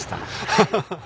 ハハハハ！